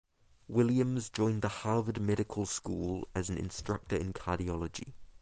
Williams joined the Harvard Medical School as an instructor in cardiology.